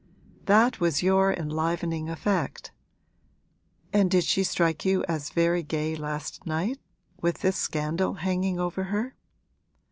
'That was your enlivening effect! And did she strike you as very gay last night, with this scandal hanging over her?'